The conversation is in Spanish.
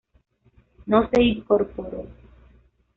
No se incorporó.